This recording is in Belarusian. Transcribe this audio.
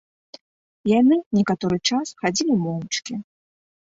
Яны некаторы час хадзілі моўчкі.